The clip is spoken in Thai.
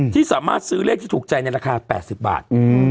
ที่สามารถซื้อเลขที่ถูกใจในราคา๘๐บาท